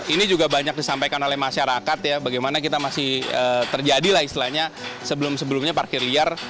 ini juga banyak disampaikan oleh masyarakat ya bagaimana kita masih terjadi lah istilahnya sebelum sebelumnya parkir liar